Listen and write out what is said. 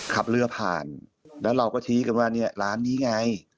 ขับเรือผ่านแล้วเราก็ชี้กันว่าเนี่ยร้านนี้ไง